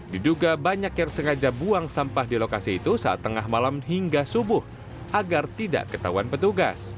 diduga banyak yang sengaja buang sampah di lokasi itu saat tengah malam hingga subuh agar tidak ketahuan petugas